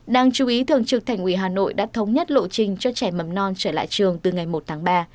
đáng chú ý thường trực thành ủy hà nội đã thống nhất lộ trình cho trẻ mầm non trở lại trường từ ngày một tháng ba